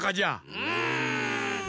うん！